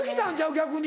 逆に。